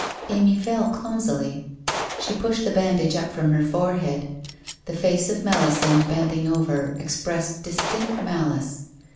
Amy fell clumsily. She pushed the bandage up from her forehead. The face of Melisande bending over, expressed distinct malice.